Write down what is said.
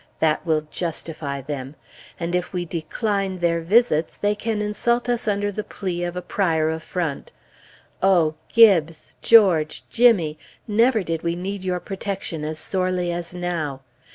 That will justify them! And if we decline their visits, they can insult us under the plea of a prior affront. Oh! Gibbes! George! Jimmy! never did we need your protection as sorely as now.